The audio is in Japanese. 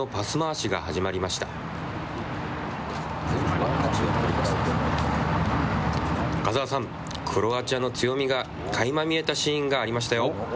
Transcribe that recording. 中澤さん、クロアチアの強みがかいま見えたシーンがありましたよ。